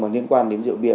mà liên quan đến rượu bia